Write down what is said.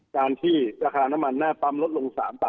การที่ราคาน้ำมันหน้าปั๊มลดลง๓บาท